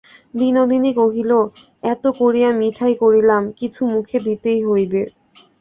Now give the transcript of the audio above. বিনোদিনী কহিল, এত করিয়া মিঠাই করিলাম, কিছু মুখে দিতেই হইবে।